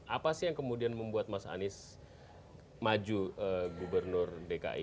apa sih yang kemudian membuat mas anies maju gubernur dki